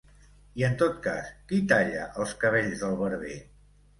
I en tot cas, ¿qui talla els cabells del barber?